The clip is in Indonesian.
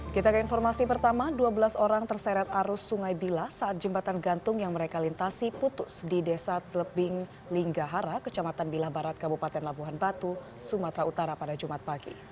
kita ke informasi pertama dua belas orang terseret arus sungai bila saat jembatan gantung yang mereka lintasi putus di desa telebing linggahara kecamatan bilah barat kabupaten labuhan batu sumatera utara pada jumat pagi